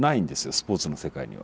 スポーツの世界には。